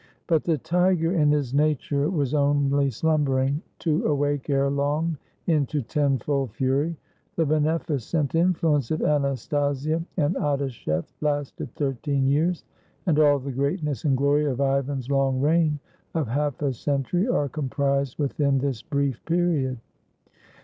But the tiger in his nature was only slumbering, to awake ere long into tenfold fury. The beneficent influ ence of Anastasia and Adashef lasted thirteen years, and all the greatness and glory of Ivan's long reign of half a century are comprised within this brief period.